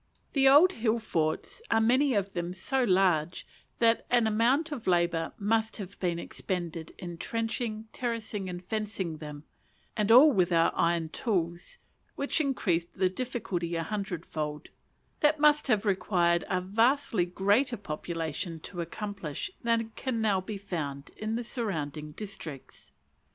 The old hill forts are many of them so large that an amount of labour must have been expended in trenching, terracing, and fencing them and all without iron tools, which increased the difficulty a hundred fold that must have required a vastly greater population to accomplish than can be now found in the surrounding districts.